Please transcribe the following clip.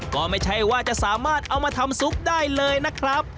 ก็ไม่ใช่ว่าจะสามารถเอามาทำซุปได้เลยนะครับ